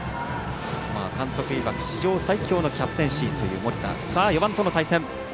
監督いわく史上最強のキャプテンシーという森田。